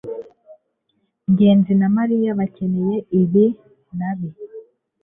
ngenzi na mariya bakeneye ibi nabi